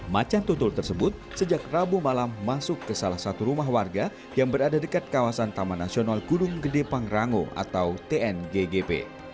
macan tutul tersebut sejak rabu malam masuk ke salah satu rumah warga yang berada dekat kawasan taman nasional gunung gede pangrango atau tnggp